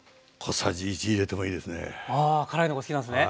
あ辛いのが好きなんですね。